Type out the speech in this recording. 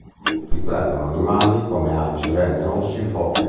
Ritraggono animali come alci, renne, orsi e foche.